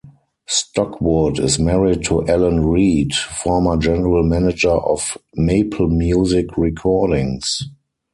Stockwood is married to Allan Reid, former general manager of MapleMusic Recordings.